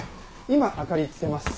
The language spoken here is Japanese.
今明かりつけます。